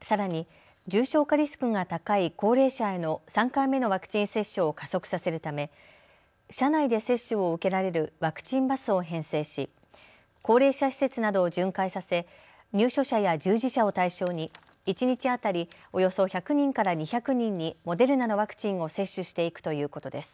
さらに重症化リスクが高い高齢者への３回目のワクチン接種を加速させるため車内で接種を受けられるワクチンバスを編成し高齢者施設などを巡回させ入所者や従事者を対象に一日当たりおよそ１００人から２００人にモデルナのワクチンを接種していくということです。